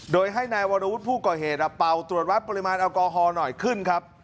โดยให้นายวรวุฒิผู้ก่อเหตุเป่าตรวจวัดปริมาณแอลกอฮอล์หน่อยขึ้นครับ